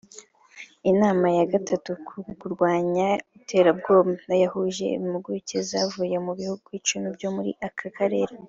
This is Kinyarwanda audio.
Iyo nama ya gatatu ku kurwanya iterabwoba yahuje impuguke zavuye mu bihugu icumi byo muri aka karere